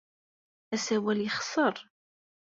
Asawal yexṣer.